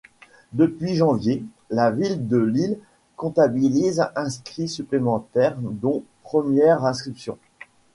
Depuis janvier, la ville de Lille comptabilise inscrits supplémentaires, dont premières inscriptions.